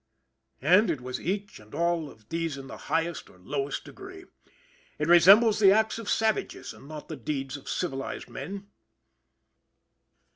And it was each and all of these in the highest or lowest degree. It resembles the acts of savages, and not the deeds of civilized men.